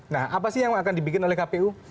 nah apa sih yang akan dibikin oleh kpu